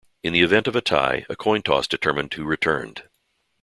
In the event of a tie, a coin toss determined who returned.